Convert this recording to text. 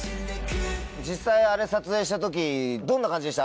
実際あれ撮影した時どんな感じでした？